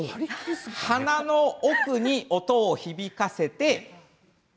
鼻の奥に音を響かせて。